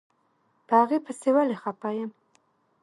په هغې پسې ولې خپه يم.